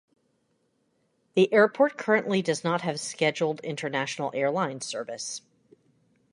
The airport currently does not have scheduled international airline service.